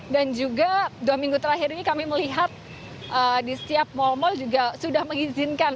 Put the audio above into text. dan juga dua minggu terakhir ini kami melihat di setiap mall mall juga sudah mengizinkan